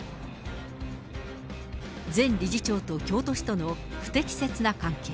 前理事長と京都市との不適切な関係。